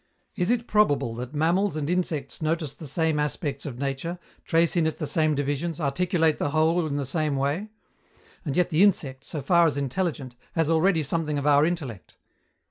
Is it probable that mammals and insects notice the same aspects of nature, trace in it the same divisions, articulate the whole in the same way? And yet the insect, so far as intelligent, has already something of our intellect.